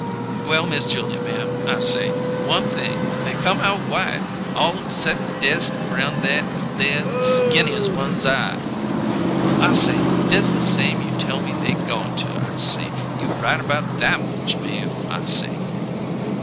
'Well, Miss Julia, ma'am,' I say 'one thing; they come out white, all 'cept dess around that there skinnier one's eye,' I say: 'dess the same you tell me they goin' to,' I say. 'You right about that much, ma'am!' I say."